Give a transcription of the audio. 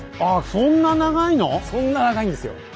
そんな長いんですよ。